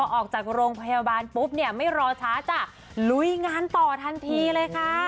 ออกจากโรงพยาบาลปุ๊บเนี่ยไม่รอช้าจ้ะลุยงานต่อทันทีเลยค่ะ